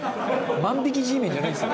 「万引きＧメンじゃないですよ」